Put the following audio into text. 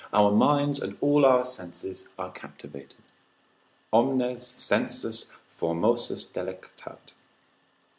our mind and all our senses are captivated, omnes sensus formosus delectat.